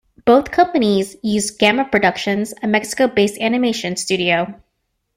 Both companies used Gamma Productions, a Mexico-based animation studio.